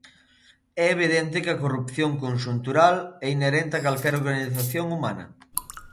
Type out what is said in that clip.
É evidente que a corrupción conxuntural é inherente a calquera organización humana.